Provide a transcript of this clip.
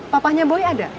papahnya boy ada